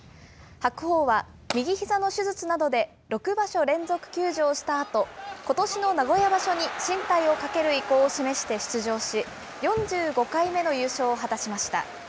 白鵬は右ひざの手術などで６場所連続休場したあと、ことしの名古屋場所に進退をかける意向を示して出場し、４５回目の優勝を果たしました。